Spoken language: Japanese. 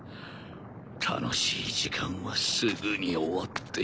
楽しい時間はすぐに終わってしまう。